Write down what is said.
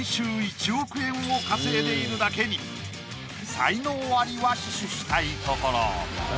才能アリは死守したいところ。